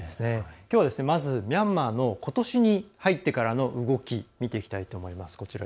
きょうは、まずミャンマーのことしに入ってからの動きを見ていきたいと思います。